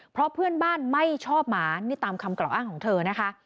เพราะเพื่อนบ้านไม่ชอบหมานี่ตามคำกล่าวอ้างของเธอนะคะ